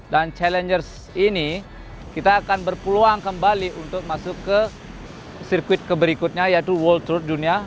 dan challengers ini kita akan berpeluang kembali untuk masuk ke sirkuit ke berikutnya yaitu world tour dunia